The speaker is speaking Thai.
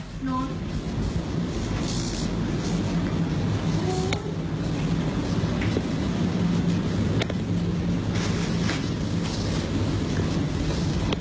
นอน